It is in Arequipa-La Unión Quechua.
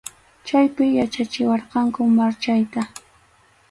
Chaypi yachachiwarqanku marchayta.